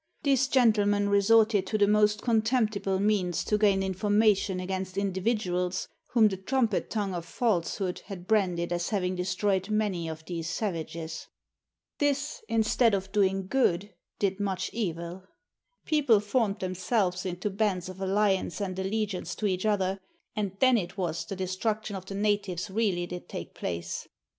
These gentlemen resorted to the most contemptible means to gain information against indi viduals, whom the trumpet tongue of falsehood had branded as having destroyed many of these savages. This, instead of doing good, did much evil. People formed themselves into bands of alliance and allegiance to each other, and then it was the de struction of the natives really did take place.